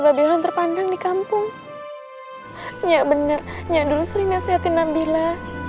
babes terpandang di kampung nyak benar nyak dulu sering nasihatin nabila